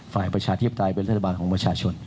ฝ่ายประชาเทียบไทยเป็นรัฐบาลของประชาชน